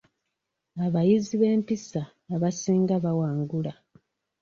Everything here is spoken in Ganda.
Abayizi b'empisa abasinga bawangula.